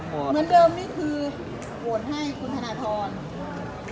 เหมือนเดิมนี่คือโหวตให้คุณธนทร